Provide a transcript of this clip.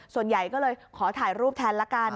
ส่วนใหญ่ก็เลยขอถ่ายรูปแทนละกัน